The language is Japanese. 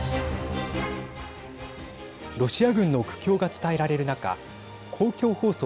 ロシア軍の苦境が伝えられる中公共放送